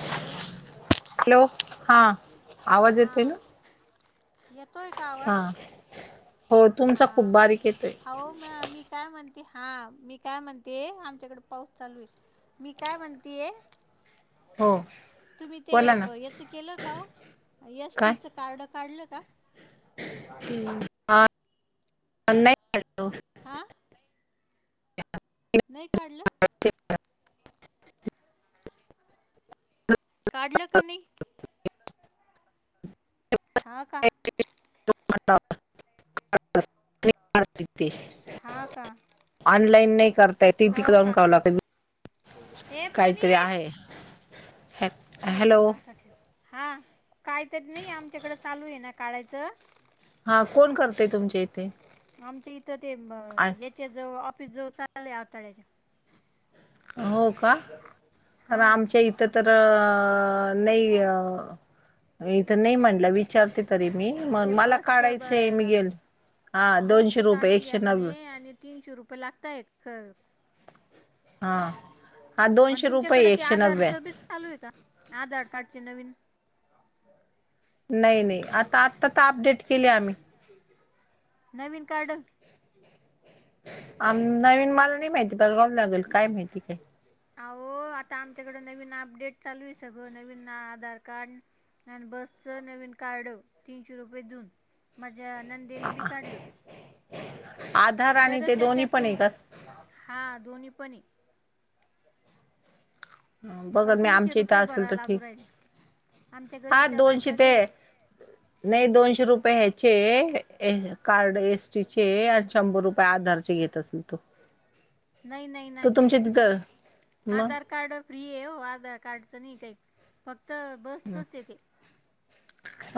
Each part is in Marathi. हॅलो. हॅलो हा आवाज येते ना. हां येतोय का आवाज हा हो तुमचा खूप हा बारीक येतोय हो म मी काय म्हणते, हा मी काय म्हणतेय आमच्याकडे पाऊस चालू आहे मी काय म्हणते? हो. तुम्ही ते बोला ना याच केलं का हो एस टीचं कार्ड काढलं का? ह न का हा नाही काढलं ह. काढलं का नाही? हा का. हता. [inaudible] भारतिक देश. हा का. ऑनलाईन नाही करताय टी पिकऊून का लागतते हे प्रणित हॅ तूझ हॅलो फोनासाठी हा काहीतरी नाही आमच्याकडे चालू आहे ना काढायचं. हा कोण करते तुमच्या इथे. आमच्या इथं ते याच्या जवळ ऑफिस जवळ चाललंय आवताळ्याच्या. हो का कारण हां आमच्या इथं तर नाही अ इथं नाही म्हटलं विचारते तरी मी मग ते मला बसचं ब काढायचंय मीघेल. हा दोनशे बसचं रुपये काढून घ्या एकशे नव्. म्हणे आणि तीनशे रुपये लागतय. हां. आणि तुमच्याकडें ते आधारचं बी चालू आहे का आधार कार्डचे नवीन. नाही नाही आता आत्ता तर अपडेट केली आम्ही. नवीन कार्ड. आम नवीन मला नाही माहिती बजगाव लागेल काय माहिती काय. अह आता आमच्याकडं नवीन अपडेट चालू आहे सगं नवीन आधार कार्ड. आणि बसच नवीन काढलं तीनशे रुपये देऊन माझ्या नंदेने बी काय काढल. आधार आणि ते दोन्ही त्याच्यावर पण तुम आहे का हा दोन्ही पण. पण बघल मी तीनशे आमच्या इथं रुपये असेल भरा तर लागू ठीक राहिल आमच्या हा गल्लीच्या दोनशे बायका ते गेल्या. नाही दोनशे रुपये ह्याचे कार्ड एसटीचे आणि शंभर रुपये आधारचे घेत. त संतो. नाही नाही नाही तिथं मग आधार कार. कार्ड फ्री आहे हो आधार कार्डचं नाही काही फक्त बसचच येते.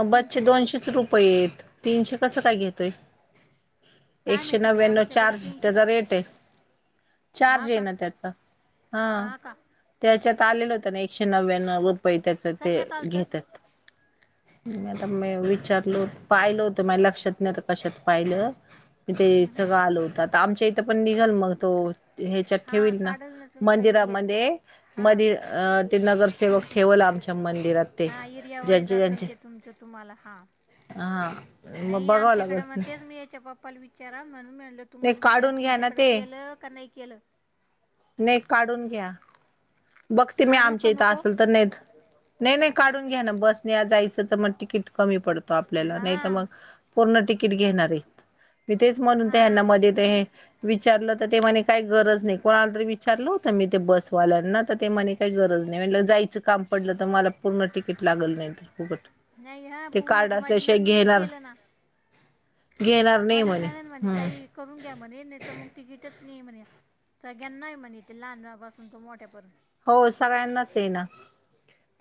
अ बच्चे तीनशे रुपये दोनशेच रुपये आहेतेत तीनशे कसं काय घेतोय. काय एकशे माहिती बाई नव्याण्णव आमच्याकडं चार्ज तीनशे त्याचा रेट आहे. हा चार्ज ये का ना त्याचा हा. त्याच्यात आलेलं होतं ना एकशे नव्याण् रुपये त्याच ते कशात आलं तर घेतात. [inaudible] आता म विचारलो पाहिलं होत मा लक्षात नाही तर कशात पाहिलं. मी ते सगळं आलो होतं आता आमच्या इथं पण निघाल मग तो ह्याच्यात हां ठेवल ना. काढल तुमचा एरियाचा मंदिरामध्ये मध हां ते नगरसेवक ठेवल आमच्या. मंदिरात ते हां एरिया वाईज जचे असेल जचे ते तुमचं तुम्हाला हां हा मग नाही बघावं लागल आमच्याकडे मग तेच मी याच्या पप्पाला विचारा म्हणून. नाही तुम्हाला विचार काढून घ्या ना तुमच्याकडें ते केलं का नाही केलं. नाही काढून घ्या. बघते मी काढू का आमच्या इथं नको असेल तर नाहीत नाही नाही काढून घ्या ना बस नाही जायचं तर मग तिकीट. कमी पडतो आपल्याला नाही तर मग हां पूर्ण तिकीट घेणार आहेत मी तेच म्हणून ते त्यांना हां मध्ये. ते विचारलं तर ते म्हणे काही गरज नाही कोणाला तरी विचारलं होत मी ते बसवाल्यांना. ते मणे काही गरज नाही म्हण जायचं काम पडलं तर मला पूर्ण तिकीट लागल नाही तर फुकट. नाही हा ते पूर्ण कार्ड होती माझी असल्याशिवाय नंदेनी घेणार केलं ना? घेणार नाही माझी ननंद म्हणे हम्म ताई करून घ्या म्हणे नाही तर मग तिकीटच नाही म्हणे? सगळ्यांना आहे म्हणे इथे लहान पासून तो मोठ्या पर्यत. हो सगळ्यांनाच आहे ना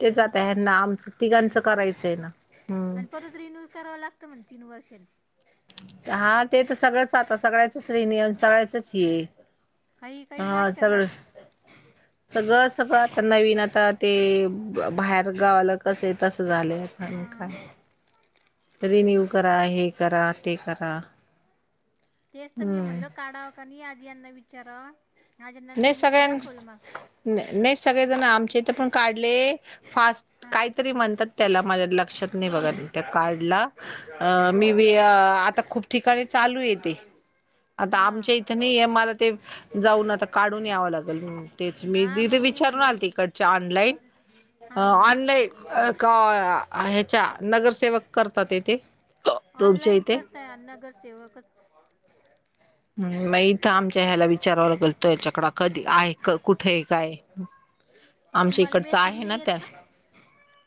तेच हम्म आता यांना तिघांचं करायचं आहे ना? हम्म आणि परत रिन्यू कराव लागतं म्हणे तीन वर्षांनी. हा ते तर सगळंच आता सगळ्याचच रिन्यू सगळ्याचच हे ये काही काही हा नाटकं सगळंच. काढता सगळं सगळं आता नवीन आता ते बाहेर गावाला कसं आहे तसं झालंय. अजून हां काय? रिन्यू करा हे करा ते करा? तेच तर मी हम्म म्हणलो काढावं का नाही आधी यांना विचारावं, माझ्या नाही नंदेनी बी सगळ्यां दाखवल मा नाही सगळेजण आमचे इथ पण काढले फास्ट हां काहीतरी म्हणतात त्याला माझ्या लक्षात नाही बघा त्या कार्डला मी हां बी आता खूप ठिकाणी चालू हे ते आता हां आमच्या इथं नाही आहे मला ते जाऊन आता काढून यावं लागेल तेच मी ना तिथे मग मी विचारून म्हणलं आलती कट च्या ऑनलाईन हां हां ऑनलाईन. अ का ह्याच्या नगरसेवक करतात हे ते ऑनलाईन करताय नगरसेवकच. ह म इथ आमच्या ह्याला विचारावं लागेल हेच्याकड कधी आहे कुठे आहे काय? आमच्या तुम्हाला इकडचं मेसेज आहे ना नाही येत त्यात. का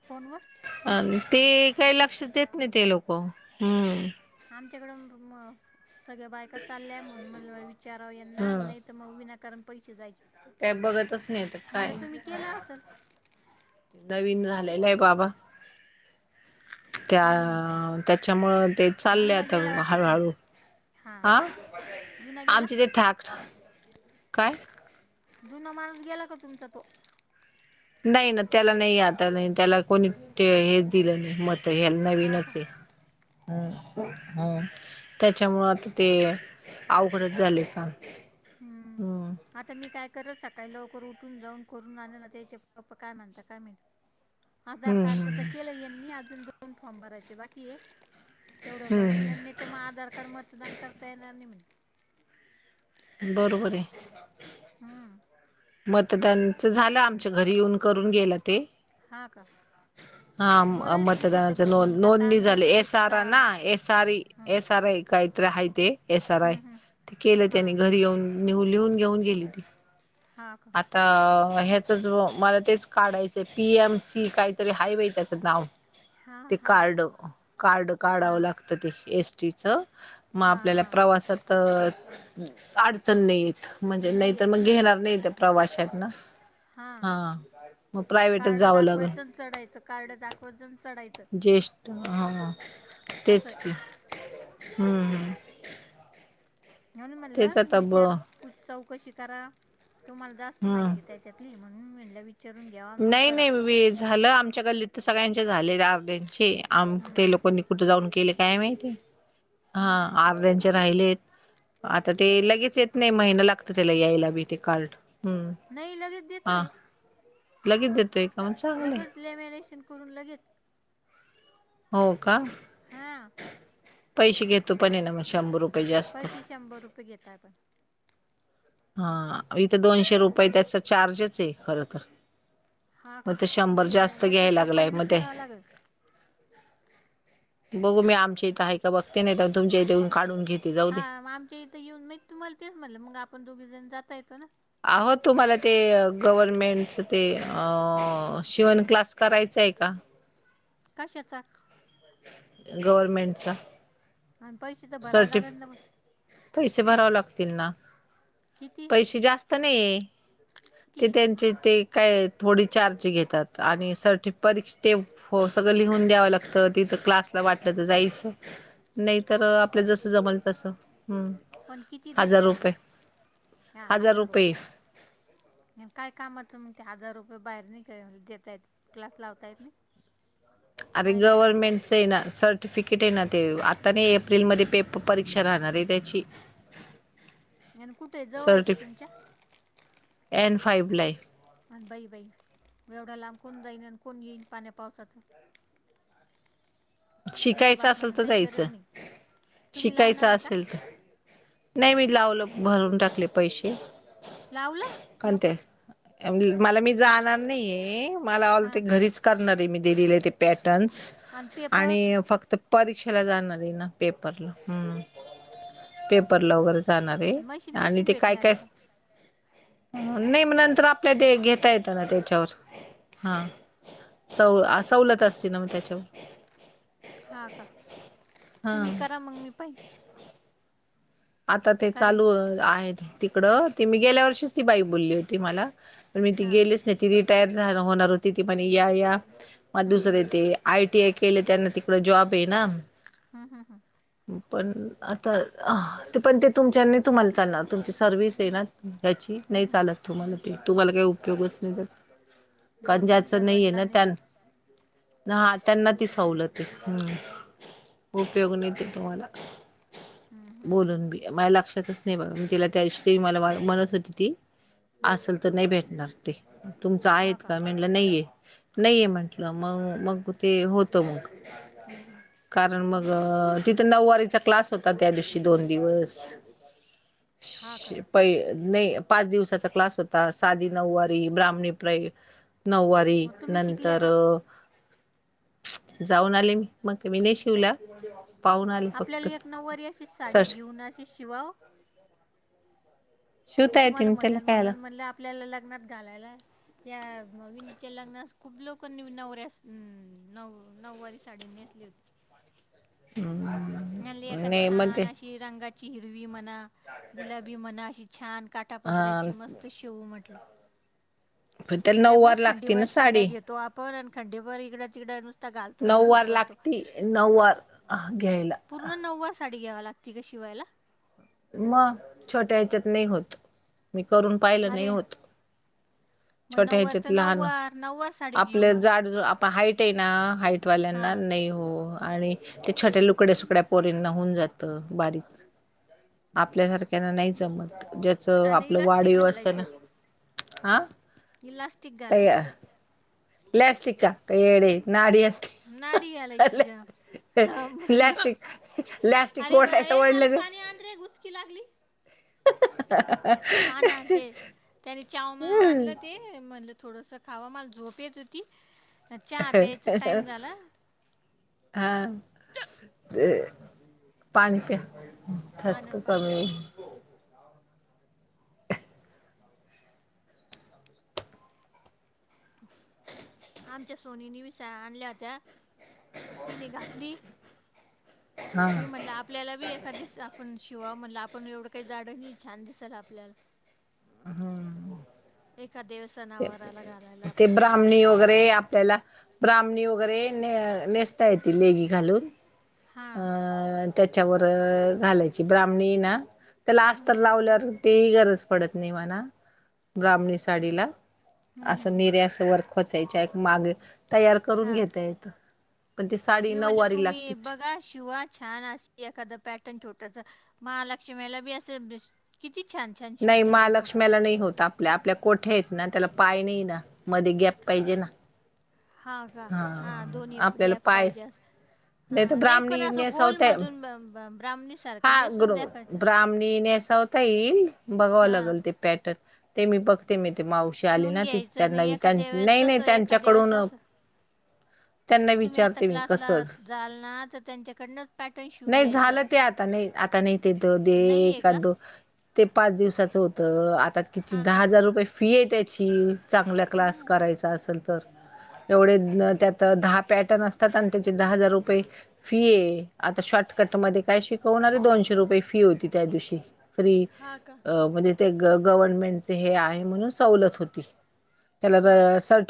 फोनवर अ ते काही लक्ष देत नाही ते लोक हम्म. आमच्याकडं म सगळ्या बायका चालल्या म्हणून म्हणल विचाराव यांना ह नाही तर मग विनाकारण पैसे जायचे. काय बघतच नाही तर म्हणलं काय? तुम्ही केलं असेल नवीन झालेलं आहे बाबा हं त्या त्याच्यामुळं ते चालले जुना आता गेला वाटतं हळूहळू. तुमचा हां हं जुना गेला आमचे ते ठाक काय? जुन माणूस गेला का तुमचा तो? नाही ना त्याला नाही आता नाही त्याला कोणी हेच दिलं नाही मत. तर हे हा का नवीनच आहे हम्म -हम्म त्याच्यामुळ आता ते अवघडच झालय काम हं. हम्म. आता मी काय करल सकाळी लवकर उठून जाऊन करून आणन त्याचे पप्पा काय मानता काय माहित. हम्म हम्म आधारकार्डच तर केलं यांनी अजून दोन फॉर्म भरायचे बाकी ये तेवढं भरून यां हम्म नायतर मग आधार कार्ड मतदान करता येणार नाही म्हणली. बरोबर आहे. हम्म! मतदानच झालं आमच्या घरी येऊन करून गेल ते. हा का! बरं हा आहे तुमच्या इथं मतदानाचा घरी येऊन करता नोंदणी आमच्या झाली इथं एस तिथं आर जावं ना लागतं एस आर इ हं, एस आर आय काहीतर आहे ते एस आर आय हं, हं. ते केलं त्यानी हां घरी येऊन लिहून घेऊन गेली ती. हा का? तर ह्याचच मला तेच काढायचंय पी एम सी काहीतरी हाय बाई त्याचं नाव! ते हां हां कार्ड कार्ड काढावं हां लागतं ते एसटीच. म हां आपल्याला हां प्रवासात तर अडचण नाहीेत म्हणजे नाही तर येत मग हां घेणार नाही ते पाचशे आहे ना, हा हां मग प्रायव्हेट कार्ड जावं लागल. दाखवायचं चढायचं कार्ड दाखवतच आणि चढायचं. ज्येष्ठ हा तेच असं की. म्हणून तेच म्हटलं आता ब विचार चौकशी करा तुम्हाला जास्त हम्म माहिती आहे त्याच्यात ली म्हणून म्हणल विचारून घ्यावा मग नाही करा. नाही वे झालं आमच्या गल्लीत तर सगळ्यांचे झाले अर्ध्यांचे. आम हं, ते लोकांनी कुठ जाऊन केले काय माहिती हं, हं, हा हं. अर्ध्यांचे राहिलेत आता ते लगेच येत नाही महिना लागत त्याला यायला बी ते कार्ड. हम्म नाही लगेत हा देतोय. लगेच देतोय मग चांगलंय लगेच लॅमिनेशन करून लगेच. हो का! हां! पैशे घेतो पण ये ना मग शंभर रुपये जास्त पैशे शंभर रुपये घेत आहे पण. हा इथ दोनशे रुपये त्याचा चार्जच आहे खर तर. हा मग का ते शंभर हे जास्त बच्चे घ्याय पप्पाला लागलाय म ते विचारावं लागेल बघू मी आमच्या इथं आहे का बघते नाही तुमच्या इथे येऊन काढून घेत हा आमच्या इथे येऊन मी तुम्हाला तेच म्हणलं मग आपण दोघी जण जाता येत ना. आहो तुम्हाला ते गव्हर्मेंटच ते अ शिवण क्लास करायचा आहे का? कशाचा? गव्हर्नमेंटचा! आणि पैसे तर भराव लागेल ना मग? पैसे भरावे लागतील ना. किती? तशे जास्त नाही ते किती त्यांचे ते काय थोडी चार्ज घेतात आणि सर्टि परीक्षा ते हो सगळं लिहून द्यावं लागतं तिथं क्लासला वाटलं तर जायचं. नाही तर आपल जसं जमल तस हम्म. पण किती देत हजार आहे रुपये ह हजार रुपये. काय कामचं मग ते हजार रुपये बाहेर न देतायेत क्लास लावतायत नाही. [inaudible] अरे महिनाभरात गव्हर्नमेंटच ते ना सर्टिफिकेट आहे ना ते आता नाही एप्रिलमध्ये पेपर परीक्षा राहणार आहे त्याची. आणि कुठे आहे जवळ आहे का सर्टिफि तुमच्या? एन फाईव ला हाय. अन बाई बाई म ऐवढा लांब कोण जाईन आणि कोण येईन पाण्या पावसाचं. याचं शिकायचं बाप असेल म्हणणं तर काही गरज जायचं नाही तुम्ही लावणार शिकायचं आहे का असेल तर. नाही मी लावलं भरून टाकले पैसे लावला. कोणते मला मी जाणार नाहीय मला हां ऑलरेडी घरीच. करणार आहे मी दिलेल ते पॅटर्न्स आणत. आणि फक्त परीक्षेला जाणार आहे ना पेपरला ह पेपरला वगरेच जाणार आहे आणि मशीन आणि बिशीन ते काय भेटणार आहे काय? का नाही मग नंतर आपल्या ते घेता येत ना त्याच्यावर हा. सव आ सवलत असती ना मग त्याच्यावर हा का हा तुम्ही करा मग मी पहिन. आता ते कारण चालू आहेत तिकडं ते मी गेल्या वर्षीच ती बाई बोलली होती मला पण मी ती हां गेलीच नाही ती रिटायर होणार होती ती पण या या. मग हं, हं, दुसरं ते आयटी आय केले त्यांना तिकड जॉब आहे ना. हा हा हा. पण आता अ पण ते तुमच्यानी तुम्हाला चालणार तुमची सर्वि्हिस आहे ना या्याची हं, नाही हं. चालत तुम्हाला ते तुम्हाला काय? उपयोगच नाही त्याचा कारण गव्हर्मेंट ज्याच नाही आहेे सर्वंटला ना त्यान. हा त्यांना ती सवलत आहे हम्म. उपयोग नाही ते तुम्हाला? हम् हम्. बोलून बी मा्या लक्षातच नाही बघ मी तिला त्या मला म्हणत होती ती हं. असल तर नाही भेटणार ते तुमच आहेत का? म्ह नाहीे नाहीये म्हंटलं मग मग ते होत मग हं, हं. कारण मग तिथं नऊवारीचा क्लास होता त्या दिवशी दोन दिवस हां का [unintelligible] प नाही पाच दिवसाचा क्लास होता साधी नऊवारी ब्राह्णीपय नऊवारी मग तुम्ही शिकल्या नंतर का जाऊन आले मी मग मी नाहीय शिवला. पाहून आले फक्त आपल्याला एक नऊवारी अशीच सर साडी घेऊन अशी शिवा मी शिवता तुम्हाला येतील म्हध त्याला कायला म्हधल म्हधलं आपल्याला लग्नात घालायला. या मविनीच्या लग्नास खूप लोकांनी नवऱ्या न नऊवारी साडी नेसली होती. हम. नली एखादी छान अशी रंगाची हिरवी म्हना. गुलाबी मना अशी छान अ काठापदऱ्याची मस्त शेऊू म्हटलं. त्याला अशा नऊवार मस् लागते ना खंडीवरर साड्या साडी घेतो आपण आणि खंडीवरर इकड्या तिकड्या नुस ताातो हे नऊवार करतो. लागती नऊवार घ्यायला. पूर्ण नव्वा साडी घ्यावा लागते का शिवायला. मग छोट्या ह्याच्यात नाही होत मी करून पाहिलं नाही अरे होत. मग छोट्या नऊवार ह्याच्यात तर लहान नऊवार नऊवार साडी आपलं घेऊ जाड आप हाईट आहे ना हाईटवाल्यांना हां नाही हो आणि ते छोट्या लुकड्या सुकड्या पोरीना होऊन जातं बारीक आपल्यासारख्याना नाही जमत. आणि आपलं इलास्टिक वाढव असत ना घालायचं हा इलास्टिक तयार घालायचं प्लॅस्टिका का याड नाडी अष्ट. नाारयाल आहेची ग. ह लॅस्टिक लॅस्टिक अरे वा ओढायला ये मला ओढलं पाणी आण रे घुचकी लागली. [unintelligible] त्यानी चाव मव आणलं ते म्हणलं थोडस खाव मला झोप येत होती. चहा प्यायचं टाईम झाला. हा ते पाणी प हा ना खसक पाणीच कमी पिते अ आमच्या सोनीने विसाया आणल्या होत्या तिने घातली हा मी म्हटलं आपल्याला बी एखाद आपण शिवाय म्हणटलं आपण एवढं काही जाडं नाही छान दिसाय आपल्याला एकादवस ते ते ब्राह्मणी वगैरे असली आपल्याला ब्राह्मणी वगैरे ने नेसता येेततील लेगी घालून हां अ त्याच्यावर घालायची ब्राह्मणी ना त्याला हां अस्त लावल्यावर तेही गरज पडत नाही म्हणा ब्राह्मणी साडीला हां हां असं निऱ्या असं वर खोचायच्या एक मागे तयार करून हां घेता येत मी म्हटलं तुम्ही बघा शिवा छान अस एखादा पॅटर्न छोटस महालक्ष्मीला बी असं किती छान छान नाही शिवता लोक महालक्ष्मी्याला नाही होता आपल्या आपल्या कोठ्या आहेत ना त्याला पाय नाही ना मध्ये गॅप पाहिजे ना हां का हा दोन्ही आपल्याला गॅप पाय पाहिजे अस ह तर नाही पण ब्राह्मणी अस नेसवताय गोलमधून ब्राम्हणीस हा [inaudible] ब्राह्मणी नेसवता येईल येईल बघावं हा लागेल ते पॅटर्न ते मी बघते मी ते मावशी आली शिवून ना ती घ्यायचं आणि त्यांना त्यां एखाद्या वेळेस नाही नाही तसं एखाद्या त्यांच्याकडून वेळेस असं त्यांना तुम्ही आता विचारते मी क्लासला कसं जाल ना तर त्यांच्याकडनंच पॅटर्न शिवून नाही घ्यायचं. झालं ते आता नाही आता नाही तेेत दे नाही आहे का एकाद ते पाच दिवसाचं होतं त्या किती हा दहा का हजार रुपये फी आहे त्याची चांगलला क्लास हम्म. करायचा असेल तर एवढे त्यात दहा पॅटर्न असतात आणि त्याचे दहा हजार रुपये फी आता शॉर्टकटमध्ये काय शिकवणारे दोनशे रुपये फी होती त्या दिवशी फ्री हा का म्हणजे ते हे गवर्मेंटच हे आहे म्हणून सवलत होती त्याला हा का सर्टिफिकेट